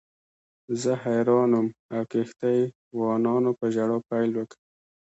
زه حیران وم او کښتۍ وانانو په ژړا پیل وکړ.